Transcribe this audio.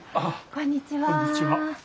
こんにちは。